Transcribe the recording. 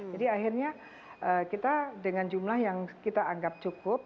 jadi akhirnya kita dengan jumlah yang kita anggap cukup